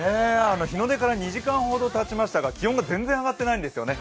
日の出から２時間ほどたちましたが、気温が全然上がってないんですよね。